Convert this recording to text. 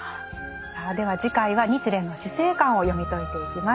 さあでは次回は日蓮の死生観を読み解いていきます。